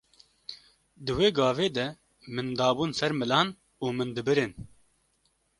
Di wê gavê de min dabûn ser milan û min dibirin.